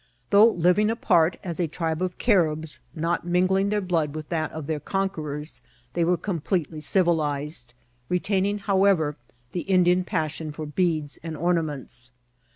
Though living apart, as a tribe of Caribs, not mining their blood with that of their conquerors, they were completely civilized ; retaining, however, the Indian passion f<» beads and ornaments.